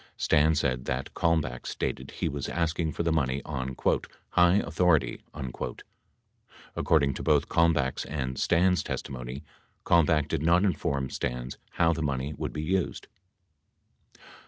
Stans said that Kalmbach stated he was asking for the money on "high authority." 72 According to both Kalmbach's and Stans' testimony, Kalmbach did not inform Stans how the money would be used.